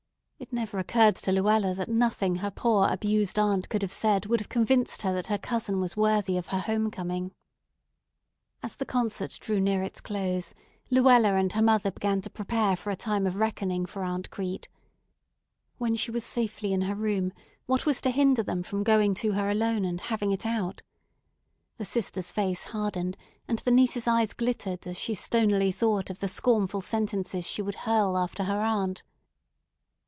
It never occurred to Luella that nothing her poor, abused aunt could have said would have convinced her that her cousin was worthy of her home coming. As the concert drew near to its close, Luella and her mother began to prepare for a time of reckoning for Aunt Crete. When she was safely in her room, what was to hinder them from going to her alone and having it out? The sister's face hardened, and the niece's eyes glittered as she stonily thought of the scornful sentences she would hurl after her aunt.